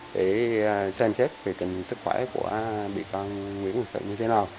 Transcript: để xem chết về tình sức khỏe của bị con nguyễn minh sự như thế nào